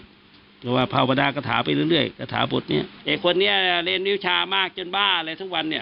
เพราะว่าภาวนากระถาไปเรื่อยกระถาบุตรเนี่ยไอ้คนนี้เรียนวิวชามากจนบ้าอะไรทุกวันเนี่ย